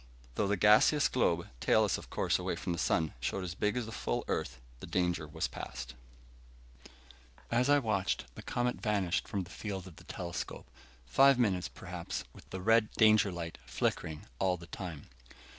Though the gaseous globe, tailless of course away from the sun, showed as big as the full Earth, the danger was past. As I watched, the comet vanished from the field of the telescope. Five minutes, perhaps, with the red danger light flickering all the time.